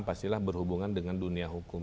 pastilah berhubungan dengan dunia hukum